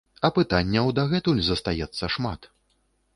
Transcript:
А пытанняў дагэтуль застаецца шмат.